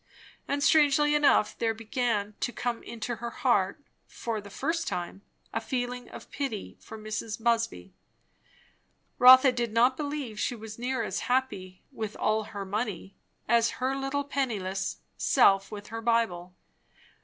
And strangely enough, there began to come into her heart, for the first time, a feeling of pity for Mrs. Busby. Rotha did not believe she was near as happy, with all her money, as her little penniless self with her Bible.